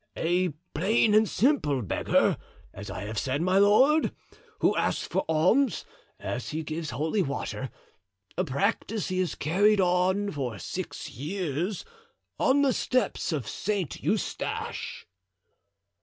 "A plain and simple beggar, as I have said, my lord, who asks for alms, as he gives holy water; a practice he has carried on for six years on the steps of St. Eustache."